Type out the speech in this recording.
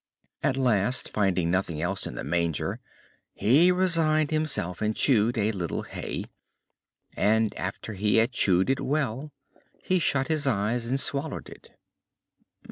At last, finding nothing else in the manger, he resigned himself and chewed a little hay; and after he had chewed it well, he shut his eyes and swallowed it.